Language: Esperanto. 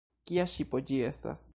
Kia ŝipo ĝi estas?